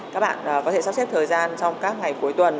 các bạn có thể sắp xếp thời gian trong các ngày cuối tuần